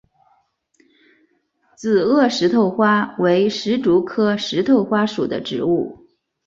紫萼石头花为石竹科石头花属的植物。